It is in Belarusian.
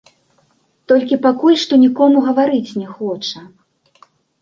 Толькі пакуль што нікому гаварыць не хоча.